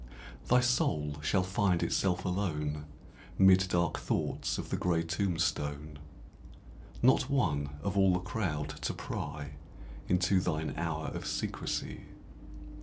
Thy soul shall find itself alone 'Mid dark thoughts of the gray tombstone Not one, of all the crowd, to pry Into thine hour of secrecy.